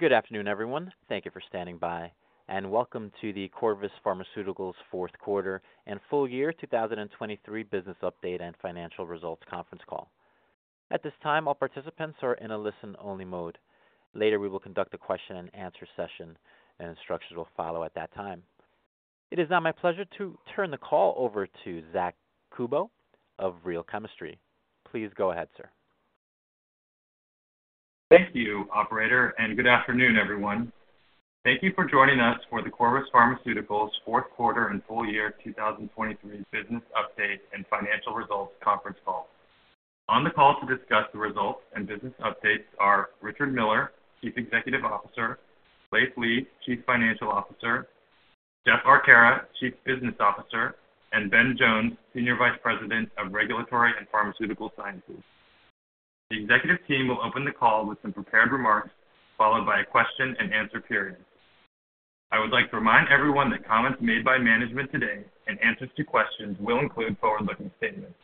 Good afternoon, everyone. Thank you for standing by, and welcome to the Corvus Pharmaceuticals fourth quarter and full year 2023 business update and financial results conference call. At this time, all participants are in a listen-only mode. Later we will conduct a question-and-answer session, and instructions will follow at that time. It is now my pleasure to turn the call over to Zack Kubow of Real Chemistry. Please go ahead, sir. Thank you, operator, and good afternoon, everyone. Thank you for joining us for the Corvus Pharmaceuticals fourth quarter and full year 2023 business update and financial results conference call. On the call to discuss the results and business updates are Richard Miller, Chief Executive Officer, Leiv Lea, Chief Financial Officer, Jeff Arcara, Chief Business Officer, and Ben Jones, Senior Vice President of Regulatory and Pharmaceutical Sciences. The executive team will open the call with some prepared remarks followed by a question-and-answer period. I would like to remind everyone that comments made by management today and answers to questions will include forward-looking statements.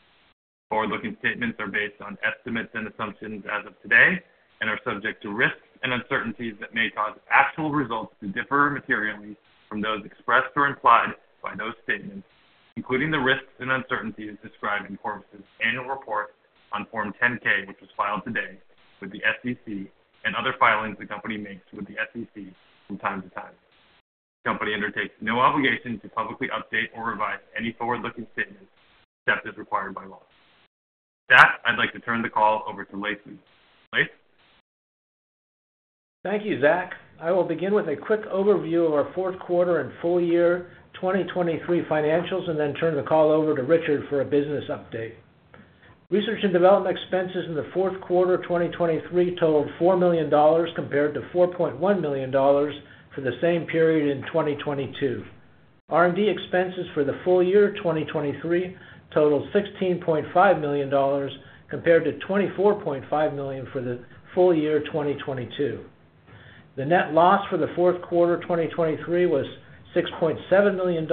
Forward-looking statements are based on estimates and assumptions as of today and are subject to risks and uncertainties that may cause actual results to differ materially from those expressed or implied by those statements, including the risks and uncertainties described in Corvus' annual report on Form 10-K, which was filed today, with the SEC, and other filings the company makes with the SEC from time to time. The company undertakes no obligation to publicly update or revise any forward-looking statements except as required by law. Zack, I'd like to turn the call over to Leiv Lea. Leiv? Thank you, Zack. I will begin with a quick overview of our fourth quarter and full year 2023 financials and then turn the call over to Richard for a business update. Research and development expenses in the fourth quarter 2023 totaled $4 million compared to $4.1 million for the same period in 2022. R&D expenses for the full year 2023 totaled $16.5 million compared to $24.5 million for the full year 2022. The net loss for the fourth quarter 2023 was $6.7 million,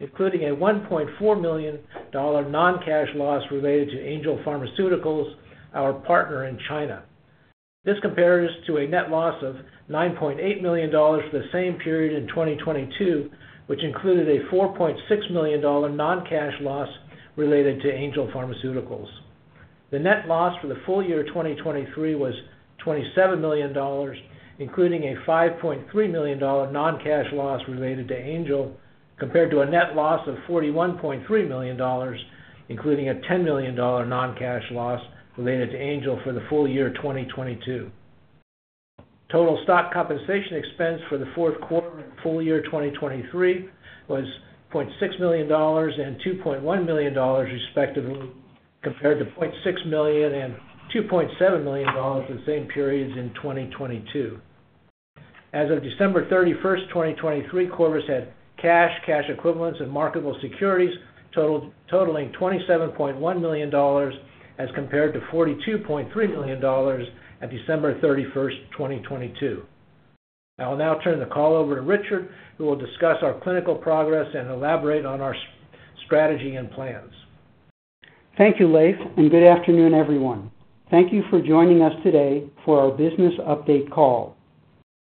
including a $1.4 million non-cash loss related to Angel Pharmaceuticals, our partner in China. This compares to a net loss of $9.8 million for the same period in 2022, which included a $4.6 million non-cash loss related to Angel Pharmaceuticals. The net loss for the full year 2023 was $27 million, including a $5.3 million non-cash loss related to Angel compared to a net loss of $41.3 million, including a $10 million non-cash loss related to Angel for the full year 2022. Total stock compensation expense for the fourth quarter and full year 2023 was $0.6 million and $2.1 million, respectively, compared to $0.6 million and $2.7 million for the same periods in 2022. As of December 31, 2023, Corvus had cash, cash equivalents, and marketable securities totaling $27.1 million as compared to $42.3 million at December 31, 2022. I will now turn the call over to Richard, who will discuss our clinical progress and elaborate on our strategy and plans. Thank you, Leiv, and good afternoon, everyone. Thank you for joining us today for our business update call.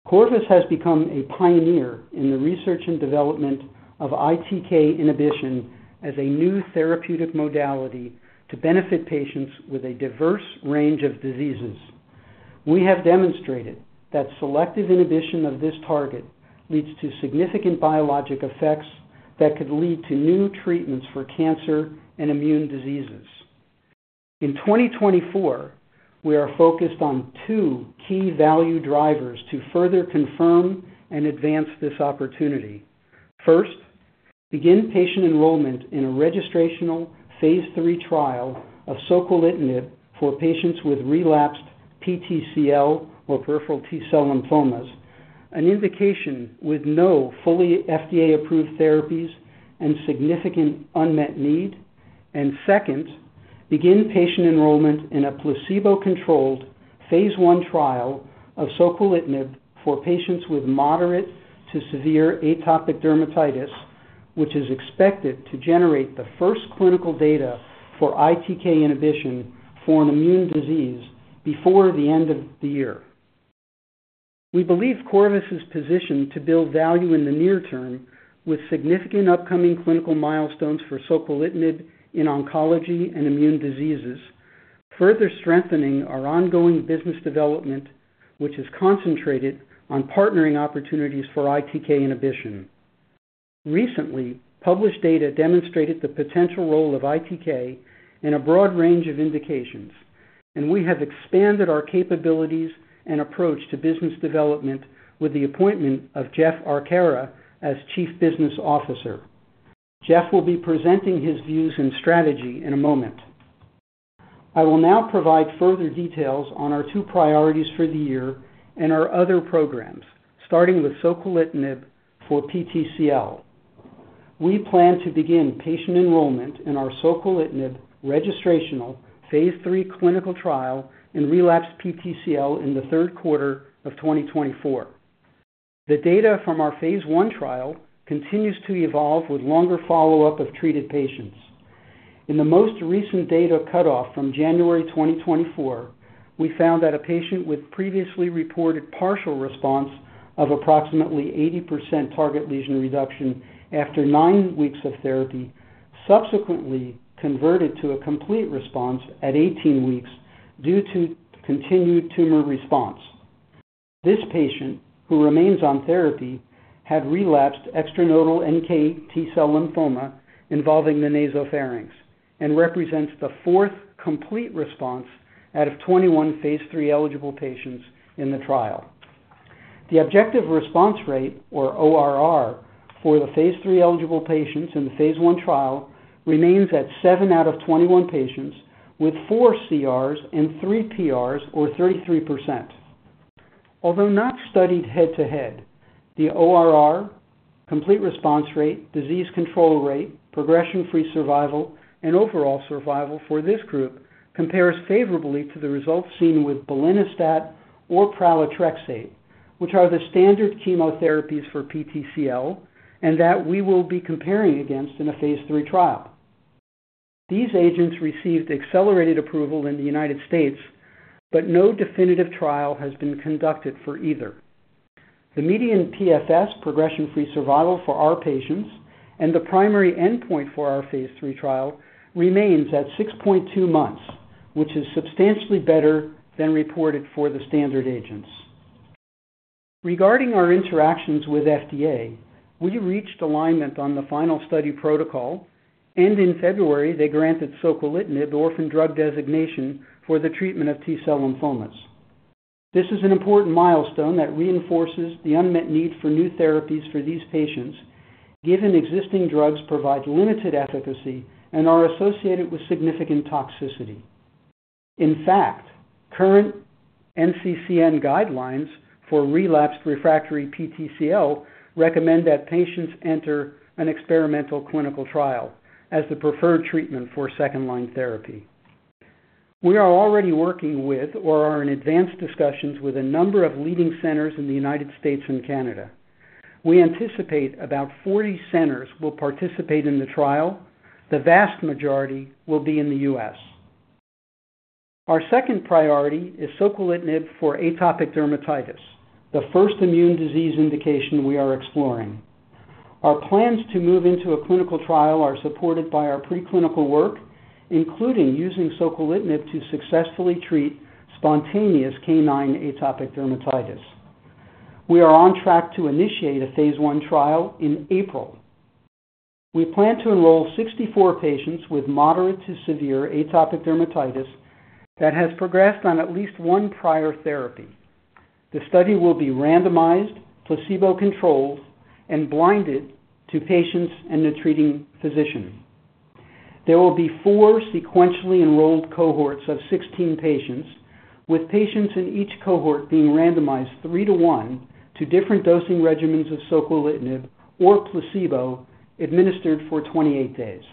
Corvus has become a pioneer in the research and development of ITK inhibition as a new therapeutic modality to benefit patients with a diverse range of diseases. We have demonstrated that selective inhibition of this target leads to significant biologic effects that could lead to new treatments for cancer and immune diseases. In 2024, we are focused on two key value drivers to further confirm and advance this opportunity. First, begin patient enrollment in a registrational Phase 3 trial of Soquelitinib for patients with relapsed PTCL or peripheral T-cell lymphomas, an indication with no fully FDA-approved therapies and significant unmet need. And second, begin patient enrollment in a placebo-controlled Phase 1 trial of Soquelitinib for patients with moderate to severe atopic dermatitis, which is expected to generate the first clinical data for ITK inhibition for an immune disease before the end of the year. We believe Corvus is positioned to build value in the near term with significant upcoming clinical milestones for Soquelitinib in oncology and immune diseases, further strengthening our ongoing business development, which is concentrated on partnering opportunities for ITK inhibition. Recently, published data demonstrated the potential role of ITK in a broad range of indications, and we have expanded our capabilities and approach to business development with the appointment of Jeff Arcara as Chief Business Officer. Jeff will be presenting his views and strategy in a moment. I will now provide further details on our two priorities for the year and our other programs, starting with Soquelitinib for PTCL. We plan to begin patient enrollment in our Soquelitinib registrational Phase 3 clinical trial in relapsed PTCL in the third quarter of 2024. The data from our Phase 1 trial continues to evolve with longer follow-up of treated patients. In the most recent data cutoff from January 2024, we found that a patient with previously reported partial response of approximately 80% target lesion reduction after 9 weeks of therapy subsequently converted to a complete response at 18 weeks due to continued tumor response. This patient, who remains on therapy, had relapsed extranodal NK/T-cell lymphoma involving the nasopharynx and represents the fourth complete response out of 21 Phase 3 eligible patients in the trial. The objective response rate, or ORR, for the Phase 3 eligible patients in the Phase 1 trial remains at 7 out of 21 patients, with 4 CRs and 3 PRs, or 33%. Although not studied head-to-head, the ORR, complete response rate, disease control rate, progression-free survival, and overall survival for this group compares favorably to the results seen with belinostat or pralatrexate, which are the standard chemotherapies for PTCL and that we will be comparing against in a Phase 3 trial. These agents received accelerated approval in the United States, but no definitive trial has been conducted for either. The median PFS, progression-free survival for our patients, and the primary endpoint for our Phase 3 trial remains at 6.2 months, which is substantially better than reported for the standard agents. Regarding our interactions with FDA, we reached alignment on the final study protocol, and in February they granted Soquelitinib orphan drug designation for the treatment of T-cell lymphomas. This is an important milestone that reinforces the unmet need for new therapies for these patients, given existing drugs provide limited efficacy and are associated with significant toxicity. In fact, current NCCN guidelines for relapsed refractory PTCL recommend that patients enter an experimental clinical trial as the preferred treatment for second-line therapy. We are already working with, or are in advanced discussions, with a number of leading centers in the United States and Canada. We anticipate about 40 centers will participate in the trial. The vast majority will be in the U.S. Our second priority is Soquelitinib for atopic dermatitis, the first immune disease indication we are exploring. Our plans to move into a clinical trial are supported by our preclinical work, including using Soquelitinib to successfully treat spontaneous canine atopic dermatitis. We are on track to initiate a Phase 1 trial in April. We plan to enroll 64 patients with moderate to severe atopic dermatitis that has progressed on at least one prior therapy. The study will be randomized, placebo-controlled, and blinded to patients and the treating physician. There will be four sequentially enrolled cohorts of 16 patients, with patients in each cohort being randomized 3:1 to different dosing regimens of Soquelitinib or placebo administered for 28 days.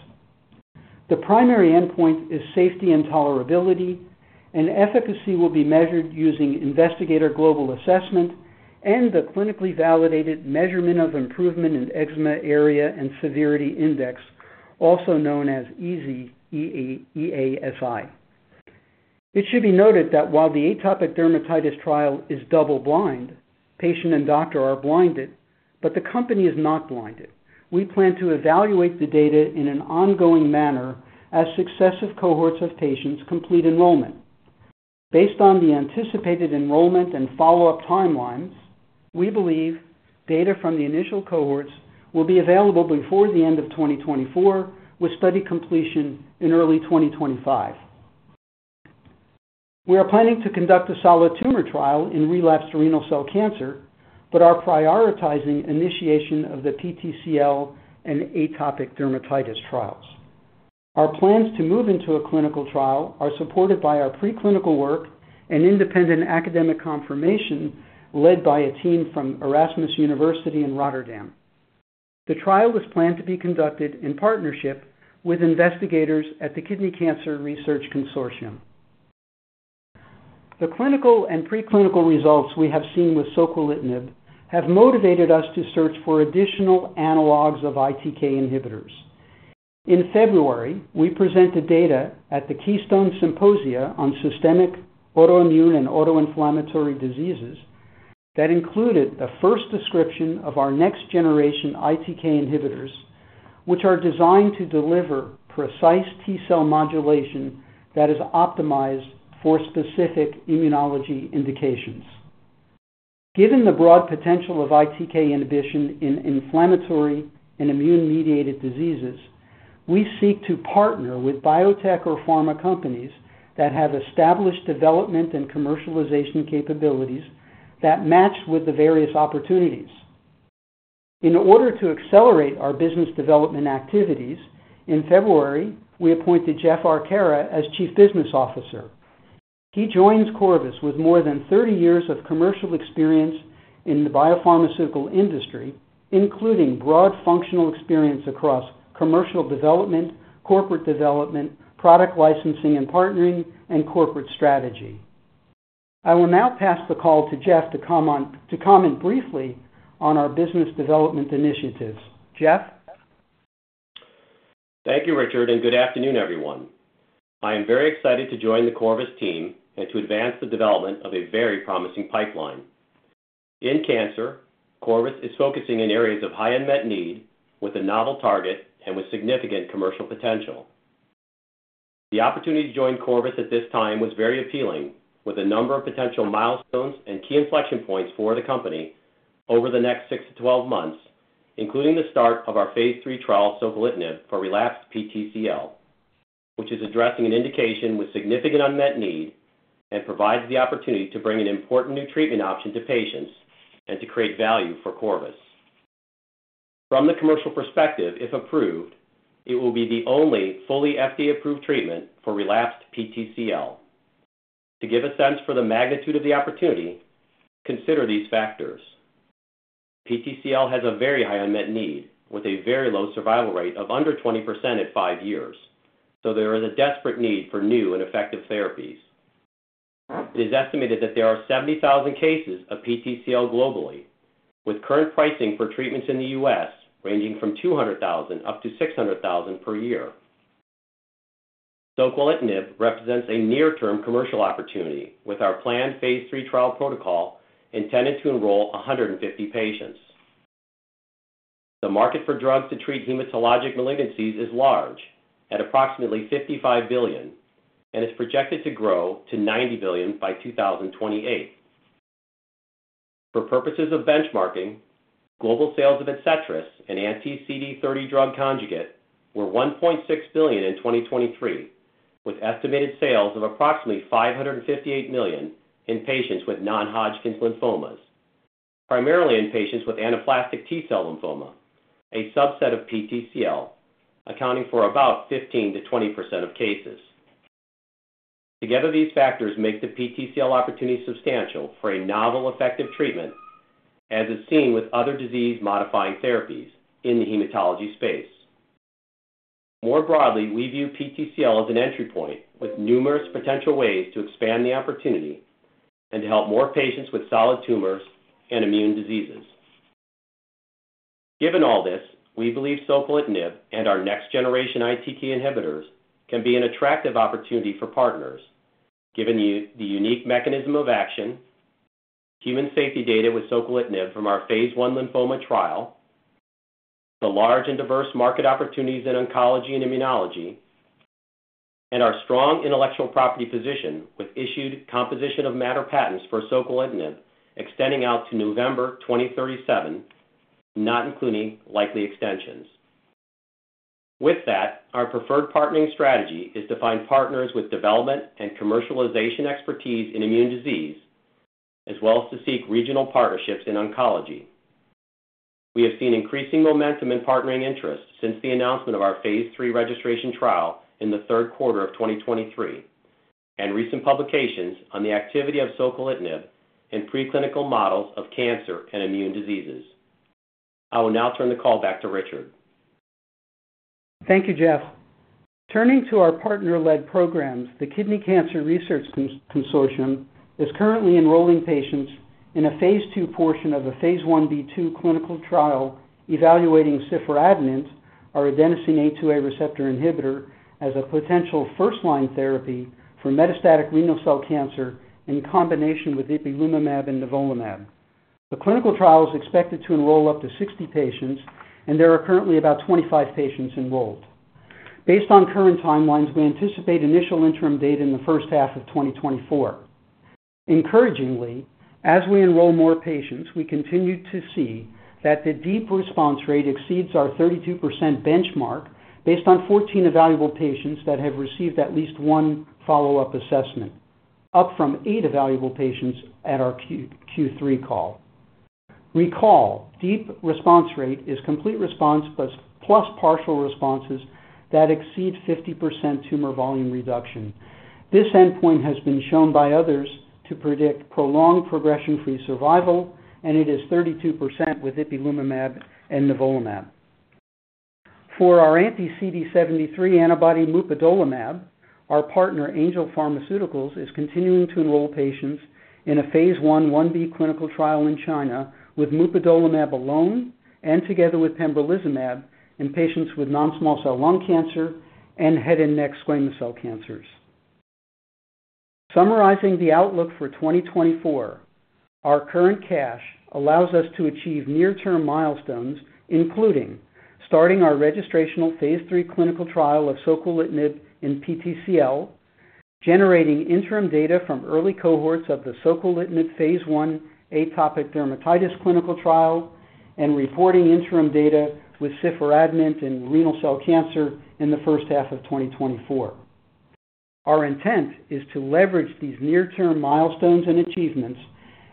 The primary endpoint is safety and tolerability, and efficacy will be measured using Investigator Global Assessment and the clinically validated Measurement of Improvement in Eczema Area and Severity Index, also known as EASI. It should be noted that while the atopic dermatitis trial is double-blind, patient and doctor are blinded, but the company is not blinded. We plan to evaluate the data in an ongoing manner as successive cohorts of patients complete enrollment. Based on the anticipated enrollment and follow-up timelines, we believe data from the initial cohorts will be available before the end of 2024, with study completion in early 2025. We are planning to conduct a solid tumor trial in relapsed renal cell cancer, but are prioritizing initiation of the PTCL and atopic dermatitis trials. Our plans to move into a clinical trial are supported by our preclinical work and independent academic confirmation led by a team from Erasmus University in Rotterdam. The trial is planned to be conducted in partnership with investigators at the Kidney Cancer Research Consortium. The clinical and preclinical results we have seen with Soquelitinib have motivated us to search for additional analogs of ITK inhibitors. In February, we presented data at the Keystone Symposium on Systemic Autoimmune and Autoinflammatory Diseases that included the first description of our next-generation ITK inhibitors, which are designed to deliver precise T-cell modulation that is optimized for specific immunology indications. Given the broad potential of ITK inhibition in inflammatory and immune-mediated diseases, we seek to partner with biotech or pharma companies that have established development and commercialization capabilities that match with the various opportunities. In order to accelerate our business development activities, in February we appointed Jeff Arcara as Chief Business Officer. He joins Corvus with more than 30 years of commercial experience in the biopharmaceutical industry, including broad functional experience across commercial development, corporate development, product licensing and partnering, and corporate strategy. I will now pass the call to Jeff to comment briefly on our business development initiatives. Jeff? Thank you, Richard, and good afternoon, everyone. I am very excited to join the Corvus team and to advance the development of a very promising pipeline. In cancer, Corvus is focusing in areas of high unmet need with a novel target and with significant commercial potential. The opportunity to join Corvus at this time was very appealing, with a number of potential milestones and key inflection points for the company over the next 6-12 months, including the start of our Phase 3 trial of Soquelitinib for relapsed PTCL, which is addressing an indication with significant unmet need and provides the opportunity to bring an important new treatment option to patients and to create value for Corvus. From the commercial perspective, if approved, it will be the only fully FDA-approved treatment for relapsed PTCL. To give a sense for the magnitude of the opportunity, consider these factors: PTCL has a very high unmet need with a very low survival rate of under 20% at 5 years, so there is a desperate need for new and effective therapies. It is estimated that there are 70,000 cases of PTCL globally, with current pricing for treatments in the U.S. ranging from $200,000-$600,000 per year. Soquelitinib represents a near-term commercial opportunity, with our planned Phase 3 trial protocol intended to enroll 150 patients. The market for drugs to treat hematologic malignancies is large, at approximately $55 billion, and is projected to grow to $90 billion by 2028. For purposes of benchmarking, global sales of Adcetris, an anti-CD30 drug conjugate, were $1.6 billion in 2023, with estimated sales of approximately $558 million in patients with non-Hodgkin's lymphomas, primarily in patients with anaplastic T-cell lymphoma, a subset of PTCL, accounting for about 15%-20% of cases. Together, these factors make the PTCL opportunity substantial for a novel effective treatment, as is seen with other disease-modifying therapies in the hematology space. More broadly, we view PTCL as an entry point with numerous potential ways to expand the opportunity and to help more patients with solid tumors and immune diseases. Given all this, we believe Soquelitinib and our next-generation ITK inhibitors can be an attractive opportunity for partners, given the unique mechanism of action, human safety data with Soquelitinib from our Phase 1 lymphoma trial, the large and diverse market opportunities in oncology and immunology, and our strong intellectual property position with issued composition-of-matter patents for Soquelitinib extending out to November 2037, not including likely extensions. With that, our preferred partnering strategy is to find partners with development and commercialization expertise in immune disease, as well as to seek regional partnerships in oncology. We have seen increasing momentum in partnering interest since the announcement of our Phase 3 registration trial in the third quarter of 2023 and recent publications on the activity of Soquelitinib in preclinical models of cancer and immune diseases. I will now turn the call back to Richard. Thank you, Jeff. Turning to our partner-led programs, the Kidney Cancer Research Consortium is currently enrolling patients in a Phase 2 portion of a Phase 1b/2 clinical trial evaluating Ciforadenant, our adenosine A2A receptor inhibitor, as a potential first-line therapy for metastatic renal cell cancer in combination with ipilimumab and nivolumab. The clinical trial is expected to enroll up to 60 patients, and there are currently about 25 patients enrolled. Based on current timelines, we anticipate initial interim data in the first half of 2024. Encouragingly, as we enroll more patients, we continue to see that the deep response rate exceeds our 32% benchmark based on 14 evaluable patients that have received at least one follow-up assessment, up from 8 evaluable patients at our Q3 call. Recall, deep response rate is complete response plus partial responses that exceed 50% tumor volume reduction. This endpoint has been shown by others to predict prolonged progression-free survival, and it is 32% with Ipilimumab and Nivolumab. For our anti-CD73 antibody, Mupadolimab, our partner Angel Pharmaceuticals is continuing to enroll patients in a Phase 1/1B clinical trial in China with Mupadolimab alone and together with Pembrolizumab in patients with non-small cell lung cancer and head and neck squamous cell cancers. Summarizing the outlook for 2024: our current cash allows us to achieve near-term milestones, including starting our registrational Phase 3 clinical trial of Soquelitinib in PTCL, generating interim data from early cohorts of the Soquelitinib Phase 1 atopic dermatitis clinical trial, and reporting interim data with Ciforadenant in renal cell cancer in the first half of 2024. Our intent is to leverage these near-term milestones and achievements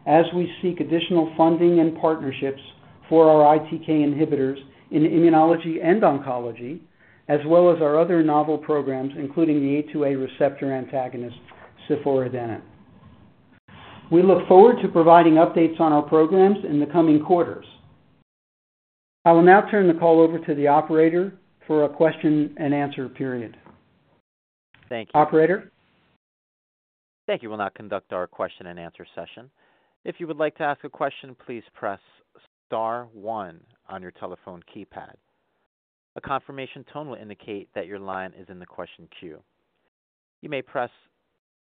as we seek additional funding and partnerships for our ITK inhibitors in immunology and oncology, as well as our other novel programs, including the A2A receptor antagonist Ciforadenant. We look forward to providing updates on our programs in the coming quarters. I will now turn the call over to the operator for a question-and-answer period. Thank you. Operator? Thank you. We'll now conduct our question-and-answer session. If you would like to ask a question, please press *1 on your telephone keypad. A confirmation tone will indicate that your line is in the question queue. You may press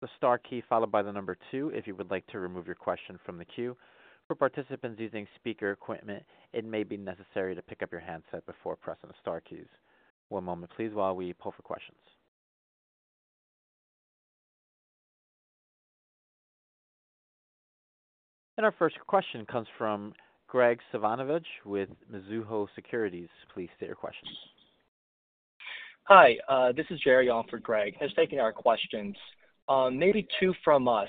the * key followed by the number 2 if you would like to remove your question from the queue. For participants using speaker equipment, it may be necessary to pick up your handset before pressing the * keys. One moment, please, while we pull for questions. Our first question comes from Graig Suvannavejh with Mizuho Securities. Please state your questions. Hi, this is Jerry on for Graig, who's taking our questions. Maybe two from us.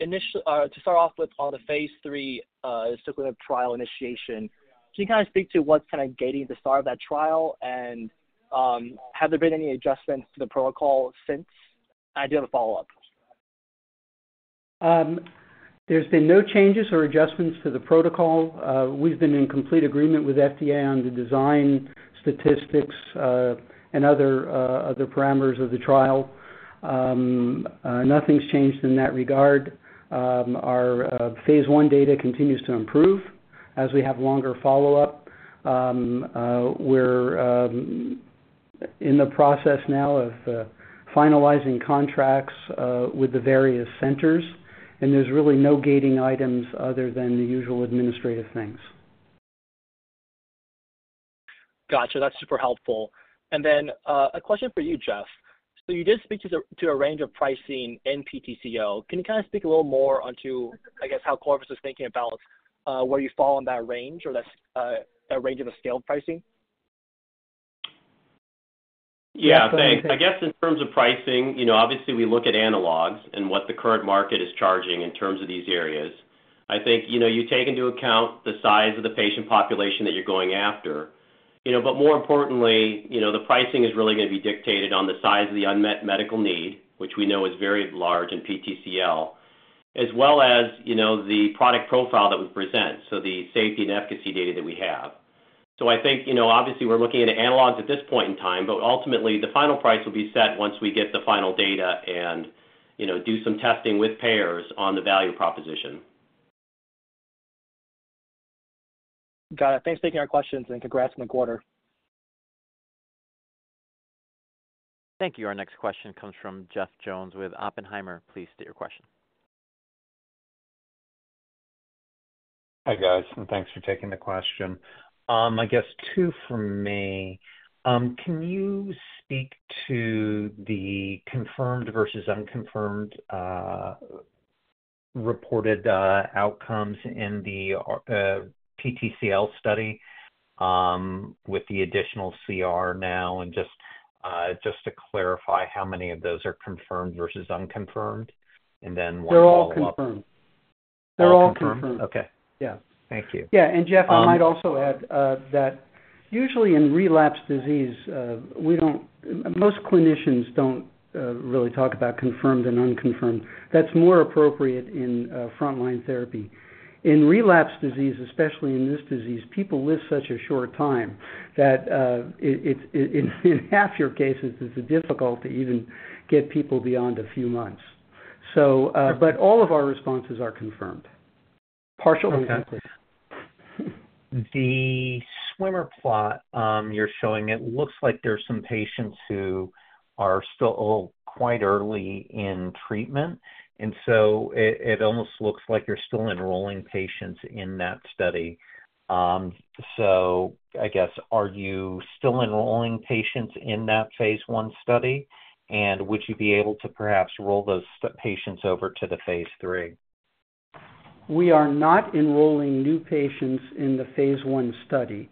Initially, to start off with, on the Phase 3 Soquelitinib trial initiation, can you kind of speak to what's kind of gating the start of that trial, and have there been any adjustments to the protocol since? I do have a follow-up. There's been no changes or adjustments to the protocol. We've been in complete agreement with FDA on the design, statistics, and other parameters of the trial. Nothing's changed in that regard. Our Phase 1 data continues to improve as we have longer follow-up. We're in the process now of finalizing contracts with the various centers, and there's really no gating items other than the usual administrative things. Gotcha. That's super helpful. And then a question for you, Jeff. So you did speak to a range of pricing in PTCL. Can you kind of speak a little more onto, I guess, how Corvus is thinking about where you fall in that range or that range of a scale of pricing? Yeah, thanks. I guess in terms of pricing, obviously we look at analogs and what the current market is charging in terms of these areas. I think you take into account the size of the patient population that you're going after, but more importantly, the pricing is really going to be dictated on the size of the unmet medical need, which we know is very large in PTCL, as well as the product profile that we present, so the safety and efficacy data that we have. So I think, obviously, we're looking at analogs at this point in time, but ultimately the final price will be set once we get the final data and do some testing with payers on the value proposition. Got it. Thanks for taking our questions, and congrats on the quarter. Thank you. Our next question comes from Jeff Jones with Oppenheimer. Please state your question. Hi, guys, and thanks for taking the question. I guess two from me. Can you speak to the confirmed versus unconfirmed reported outcomes in the PTCL study with the additional CR now, and just to clarify how many of those are confirmed versus unconfirmed, and then one follow-up? They're all confirmed. They're all confirmed. Okay. Thank you. Yeah. And Jeff, I might also add that usually in relapsed disease, most clinicians don't really talk about confirmed and unconfirmed. That's more appropriate in frontline therapy. In relapsed disease, especially in this disease, people live such a short time that in half your cases, it's difficult to even get people beyond a few months. But all of our responses are confirmed, partial and complete. The swimmer plot you're showing, it looks like there's some patients who are still quite early in treatment, and so it almost looks like you're still enrolling patients in that study. So I guess, are you still enrolling patients in that Phase 1 study, and would you be able to perhaps roll those patients over to the Phase 3? We are not enrolling new patients in the Phase 1 study.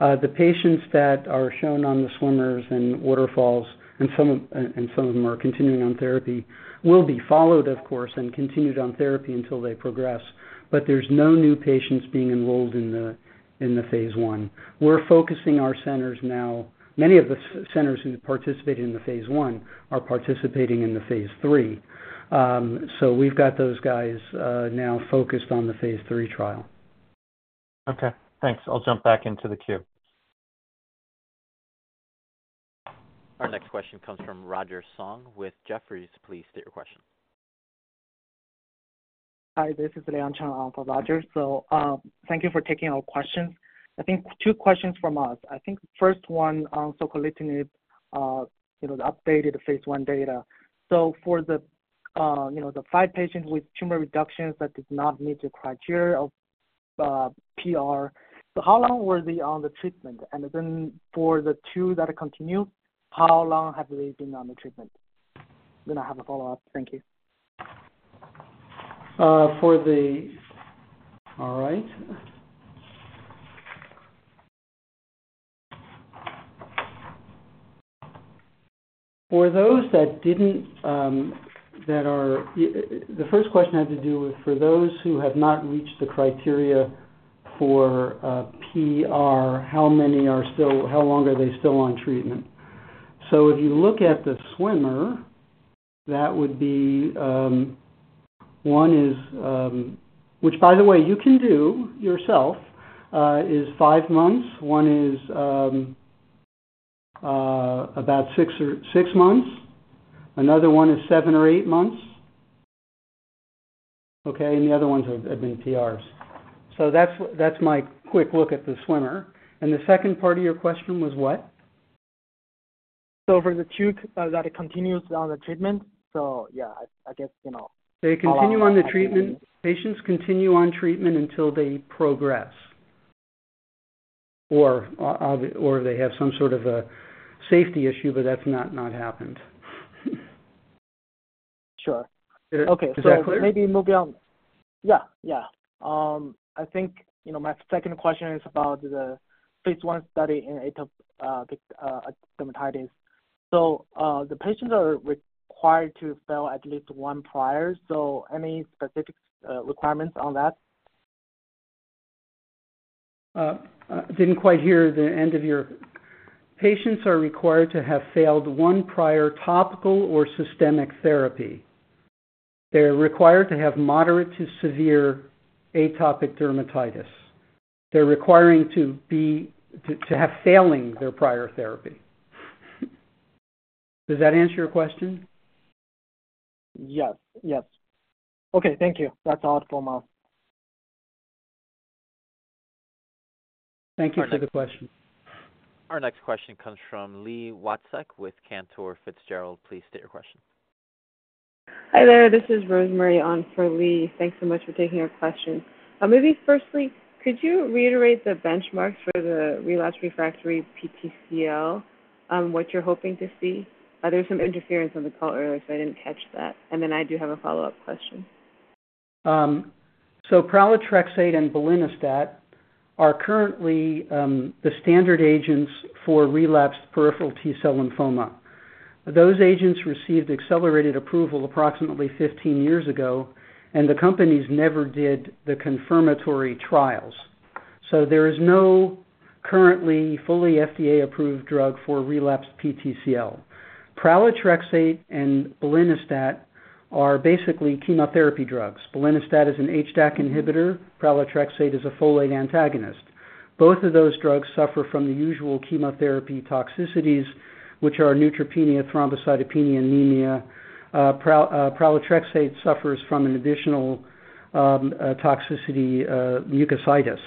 The patients that are shown on the swimmers and waterfalls, and some of them are continuing on therapy, will be followed, of course, and continued on therapy until they progress, but there's no new patients being enrolled in the Phase 1. We're focusing our centers now. Many of the centers who participated in the Phase 1 are participating in the Phase 3. We've got those guys now focused on the Phase 3 trial. Okay. Thanks. I'll jump back into the queue. Our next question comes from Roger Song with Jefferies. Please state your question. Hi, this is Liang Cheng for Rogers. So thank you for taking our questions. I think two questions from us. I think first one, Soquelitinib updated the Phase 1 data. So for the five patients with tumor reductions that did not meet the criteria of PR, how long were they on the treatment? And then for the two that continue, how long have they been on the treatment? I'm going to have a follow-up. Thank you. All right. For those that didn't, the first question had to do with, for those who have not reached the criteria for PR, how long are they still on treatment? So if you look at the swimmer, that would be one, which, by the way, you can do yourself, is five months. One is about six months. Another one is seven or eight months, okay? And the other ones have been PRs. So that's my quick look at the swimmer. And the second part of your question was what? For the two that continues on the treatment, so yeah, I guess. They continue on the treatment. Patients continue on treatment until they progress or they have some sort of a safety issue, but that's not happened. Sure. Okay. So maybe move beyond yeah, yeah. I think my second question is about the Phase 1 study in atopic dermatitis. So the patients are required to fail at least one prior, so any specific requirements on that? Didn't quite hear the end of your question. Patients are required to have failed one prior topical or systemic therapy. They're required to have moderate to severe atopic dermatitis. They're required to have failed their prior therapy. Does that answer your question? Yes, yes. Okay. Thank you. That's all from us. Thank you for the question. Our next question comes from Li Watsek with Cantor Fitzgerald. Please state your question. Hi there. This is Rosemary on for Li. Thanks so much for taking our question. Maybe firstly, could you reiterate the benchmarks for the relapsed refractory PTCL, what you're hoping to see? There was some interference on the call earlier, so I didn't catch that. And then I do have a follow-up question. So pralatrexate and Belinostat are currently the standard agents for relapsed peripheral T-cell lymphoma. Those agents received accelerated approval approximately 15 years ago, and the companies never did the confirmatory trials. So there is no currently fully FDA-approved drug for relapsed PTCL. Pralatrexate and Belinostat are basically chemotherapy drugs. Belinostat is an HDAC inhibitor. Pralatrexate is a folate antagonist. Both of those drugs suffer from the usual chemotherapy toxicities, which are neutropenia, thrombocytopenia, anemia. Pralatrexate suffers from an additional toxicity, mucositis.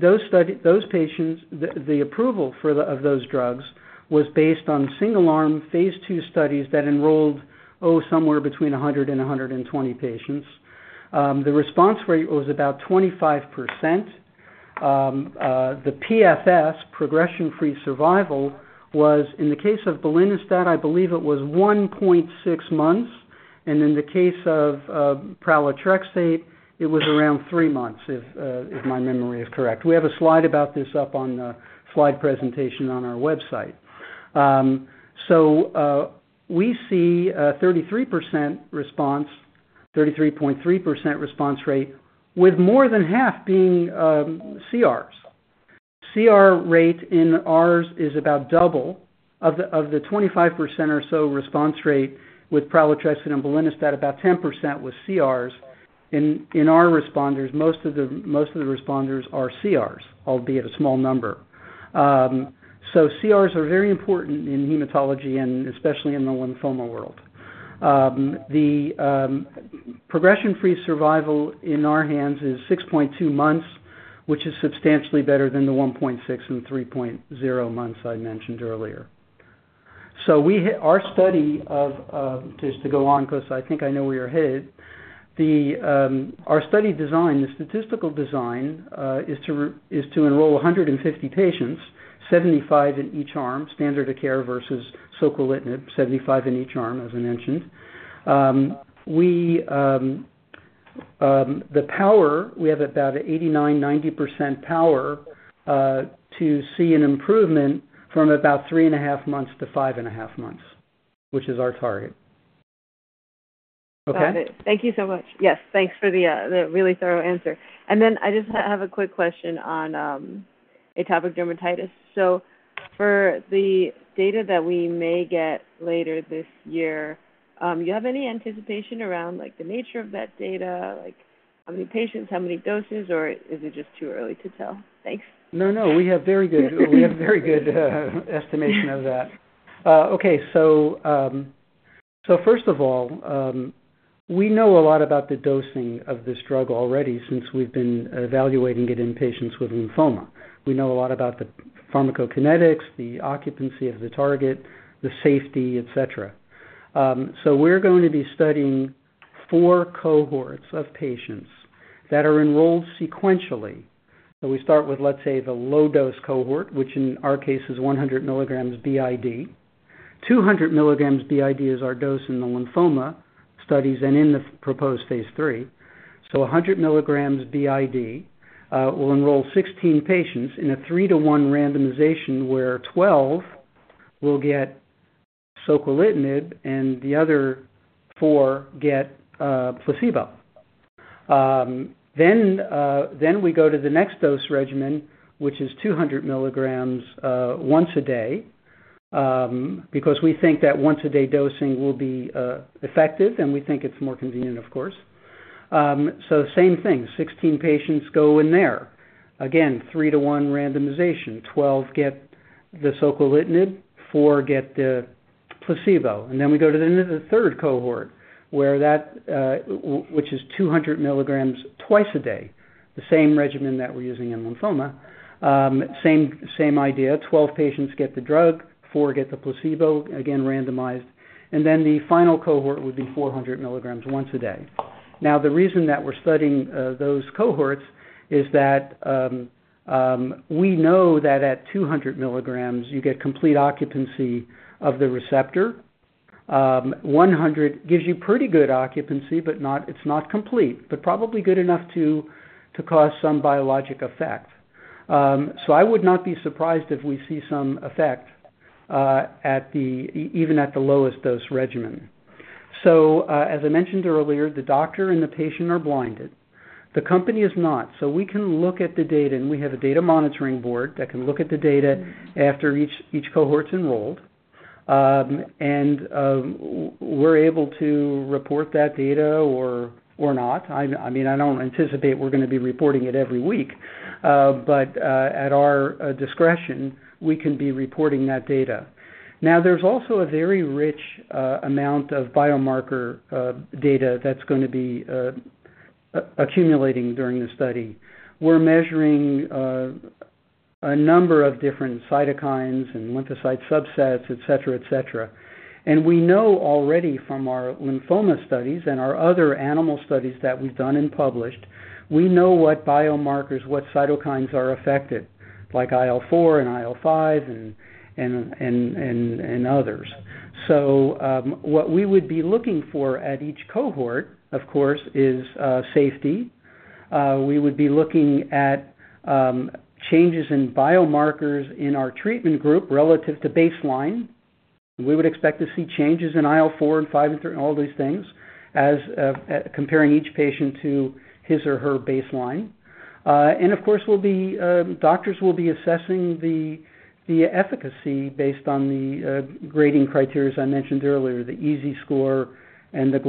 Those patients, the approval of those drugs was based on single-arm Phase 2 studies that enrolled, oh, somewhere between 100 and 120 patients. The response rate was about 25%. The PFS, progression-free survival, was in the case of Belinostat, I believe it was 1.6 months. And in the case of pralatrexate, it was around 3 months, if my memory is correct. We have a slide about this up on the slide presentation on our website. So we see a 33.3% response rate, with more than half being CRs. CR rate in ours is about double of the 25% or so response rate, with Pralatrexate and Belinostat about 10% with CRs. In our responders, most of the responders are CRs, albeit a small number. So CRs are very important in hematology, and especially in the lymphoma world. The progression-free survival in our hands is 6.2 months, which is substantially better than the 1.6 and 3.0 months I mentioned earlier. So our study of just to go on because I think I know where you're headed. Our study design, the statistical design, is to enroll 150 patients, 75 in each arm, standard of care versus Soquelitinib, 75 in each arm, as I mentioned. The power, we have about an 89%-90% power to see an improvement from about 3.5 months to 5.5 months, which is our target. Okay? Got it. Thank you so much. Yes, thanks for the really thorough answer. And then I just have a quick question on atopic dermatitis. So for the data that we may get later this year, do you have any anticipation around the nature of that data, how many patients, how many doses, or is it just too early to tell? Thanks. No, no. We have very good estimation of that. Okay. So first of all, we know a lot about the dosing of this drug already since we've been evaluating it in patients with lymphoma. We know a lot about the pharmacokinetics, the occupancy of the target, the safety, etc. So we're going to be studying four cohorts of patients that are enrolled sequentially. So we start with, let's say, the low-dose cohort, which in our case is 100 milligrams b.i.d. 200 milligrams b.i.d. is our dose in the lymphoma studies and in the proposed Phase 3. So 100 milligrams b.i.d. will enroll 16 patients in a 3-to-1 randomization where 12 will get Soquelitinib and the other 4 get placebo. Then we go to the next dose regimen, which is 200 milligrams once a day because we think that once-a-day dosing will be effective, and we think it's more convenient, of course. So same thing, 16 patients go in there. Again, three-to-one randomization. 12 get the Soquelitinib. 4 get the placebo. And then we go to the third cohort, which is 200 milligrams twice a day, the same regimen that we're using in lymphoma. Same idea. 12 patients get the drug. 4 get the placebo, again randomized. And then the final cohort would be 400 milligrams once a day. Now, the reason that we're studying those cohorts is that we know that at 200 milligrams, you get complete occupancy of the receptor. 100 gives you pretty good occupancy, but it's not complete, but probably good enough to cause some biologic effect. So I would not be surprised if we see some effect even at the lowest dose regimen. So as I mentioned earlier, the doctor and the patient are blinded. The company is not. So we can look at the data, and we have a data monitoring board that can look at the data after each cohort's enrolled. And we're able to report that data or not. I mean, I don't anticipate we're going to be reporting it every week, but at our discretion, we can be reporting that data. Now, there's also a very rich amount of biomarker data that's going to be accumulating during the study. We're measuring a number of different cytokines and lymphocyte subsets, etc., etc. And we know already from our lymphoma studies and our other animal studies that we've done and published, we know what biomarkers, what cytokines are affected, like IL-4 and IL-5 and others. So what we would be looking for at each cohort, of course, is safety. We would be looking at changes in biomarkers in our treatment group relative to baseline. We would expect to see changes in IL-4 and IL-5 and all these things as comparing each patient to his or her baseline. And of course, doctors will be assessing the efficacy based on the grading criteria as I mentioned earlier, the EASI score and the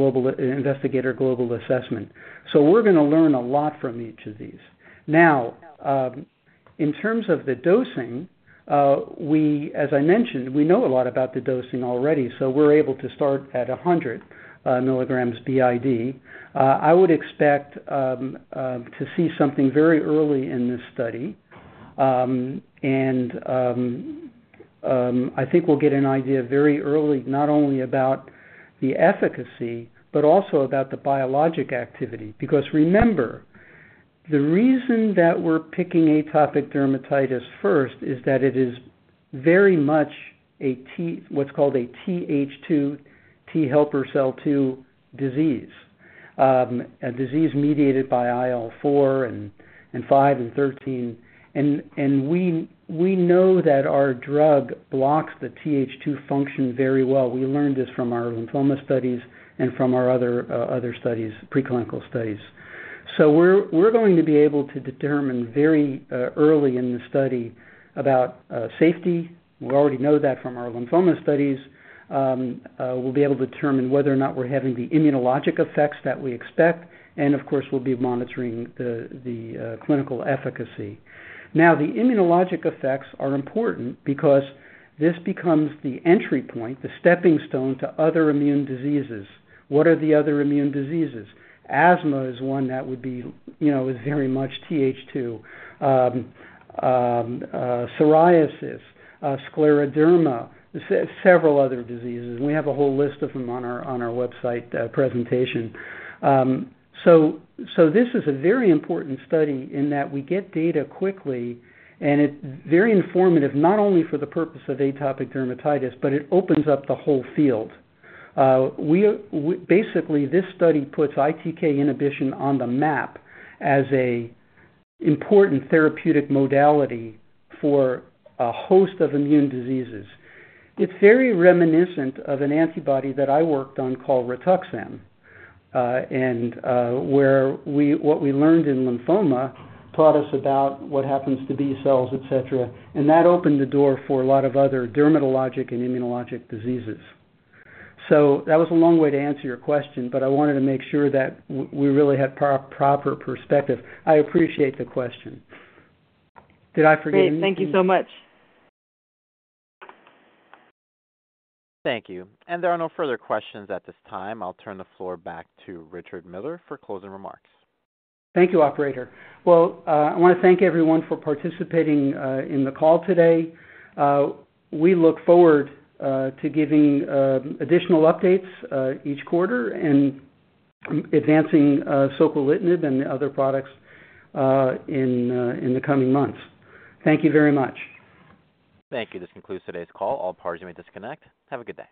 Investigator Global Assessment. So we're going to learn a lot from each of these. Now, in terms of the dosing, as I mentioned, we know a lot about the dosing already, so we're able to start at 100 milligrams b.i.d. I would expect to see something very early in this study. I think we'll get an idea very early not only about the efficacy but also about the biologic activity because remember, the reason that we're picking atopic dermatitis first is that it is very much what's called a Th2, T helper cell 2 disease, a disease mediated by IL-4 and 5 and 13. We know that our drug blocks the Th2 function very well. We learned this from our lymphoma studies and from our other studies, preclinical studies. We're going to be able to determine very early in the study about safety. We already know that from our lymphoma studies. We'll be able to determine whether or not we're having the immunologic effects that we expect. Of course, we'll be monitoring the clinical efficacy. Now, the immunologic effects are important because this becomes the entry point, the stepping stone to other immune diseases. What are the other immune diseases? Asthma is one that would be very much Th2. Psoriasis, scleroderma, several other diseases. And we have a whole list of them on our website presentation. So this is a very important study in that we get data quickly, and it's very informative not only for the purpose of atopic dermatitis, but it opens up the whole field. Basically, this study puts ITK inhibition on the map as an important therapeutic modality for a host of immune diseases. It's very reminiscent of an antibody that I worked on called Rituxan, and where what we learned in lymphoma taught us about what happens to B cells, etc. And that opened the door for a lot of other dermatologic and immunologic diseases. That was a long way to answer your question, but I wanted to make sure that we really had proper perspective. I appreciate the question. Did I forget anything? Great. Thank you so much. Thank you. And there are no further questions at this time. I'll turn the floor back to Richard Miller for closing remarks. Thank you, operator. Well, I want to thank everyone for participating in the call today. We look forward to giving additional updates each quarter and advancing Soquelitinib and the other products in the coming months. Thank you very much. Thank you. This concludes today's call. All parties may disconnect. Have a good day.